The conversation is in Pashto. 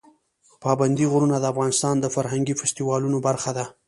پابندي غرونه د افغانستان د فرهنګي فستیوالونو برخه ده.